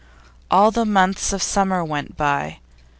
All the months of summer went by.